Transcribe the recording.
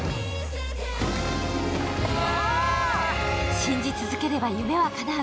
信じ続ければ夢はかなう。